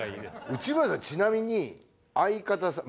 内村さんちなみに相方さん。